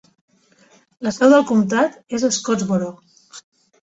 La seu del comtat és Scottsboro.